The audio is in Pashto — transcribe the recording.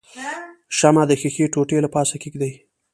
شمع د ښيښې ټوټې له پاسه کیږدئ.